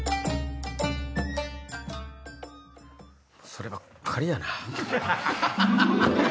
そればっかりやな。